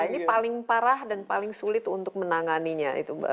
ini paling parah dan paling sulit untuk menanganinya itu